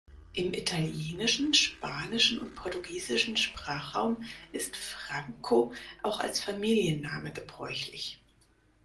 Im italienischen, spanischen und portugiesischen Sprachraum ist "Franco" auch als Familienname gebräuchlich.